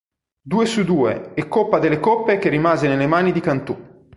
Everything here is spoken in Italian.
Due su due e Coppa delle Coppe che rimase nelle mani di Cantù.